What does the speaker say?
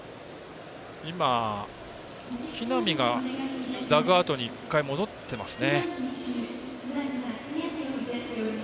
今、木浪がダグアウトに１回、戻っていますね。